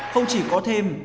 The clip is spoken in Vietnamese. không chỉ có thêm